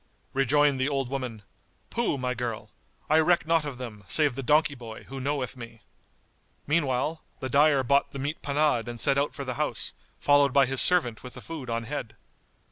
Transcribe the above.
Rejoined the old woman, "Pooh, my girl! I reck not of them, save the donkey boy, who knoweth me." Meanwhile the dyer bought the meat panade and set out for the house, followed by his servant with the food on head.